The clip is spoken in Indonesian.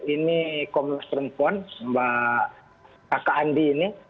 ini komunis perempuan mbak kak andi ini